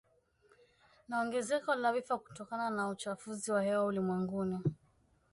na ongezeko la vifo kutokana na uchafuzi wa hewa ulimwenguni